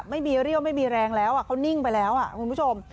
ไม่มีเรี่ยวไม่มีแรงแล้วเขานิ่งไปแล้วคุณผู้ชม